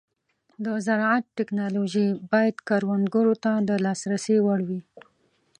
د زراعت ټيکنالوژي باید کروندګرو ته د لاسرسي وړ وي.